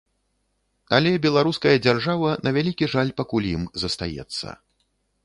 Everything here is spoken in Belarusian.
Але беларуская дзяржава, на вялікі жаль, пакуль ім застаецца.